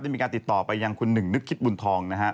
มีการติดต่อไปยังคุณหนึ่งนึกคิดบุญทองนะฮะ